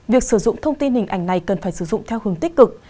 việc sử dụng thông tin hình ảnh này cần phải sử dụng theo hướng tích cực